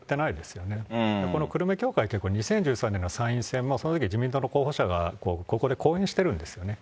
この久留米教会って２０１３年から参院選もそのとき、自民党の候補者がここで講演してるんですよね。